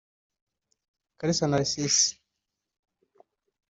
Kalisa Narcisse